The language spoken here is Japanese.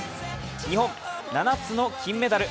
日本、７つの金メダル。